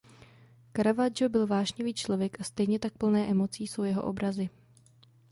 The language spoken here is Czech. Caravaggio byl vášnivý člověk a stejně tak plné emocí jsou jeho obrazy.